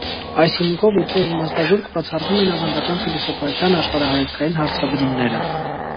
Այս հիմունքով իբրև իմաստազուրկ բացառվում են ավանդական փիլիսոփայության աշխարհայացքային հարցադրումները։